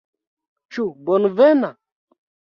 Ĉu bonvena?